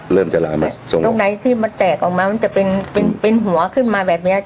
เริ่มจะลามอ่ะตรงไหนที่มันแตกออกมามันจะเป็นเป็นหัวขึ้นมาแบบเนี้ย